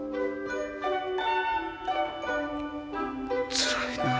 つらいなあ。